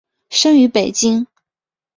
生于北京。